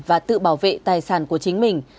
và tự bảo vệ tài sản của chính mình